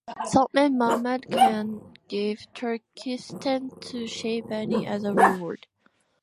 Sultan Mahmud Khan gave Turkistan to Shaybani as a reward.